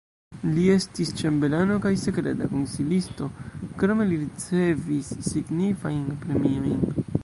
Li estis ĉambelano kaj sekreta konsilisto, krome li ricevis signifajn premiojn.